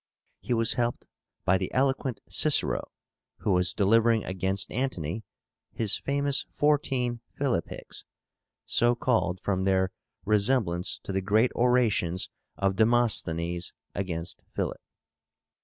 He was helped by the eloquent Cicero, who was delivering against Antony his famous fourteen PHILIPPICS, so called from their resemblance to the great orations of Demosthenes against Philip.